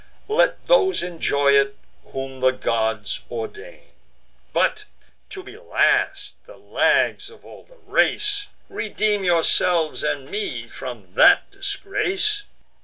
Let those enjoy it whom the gods ordain. But to be last, the lags of all the race! Redeem yourselves and me from that disgrace."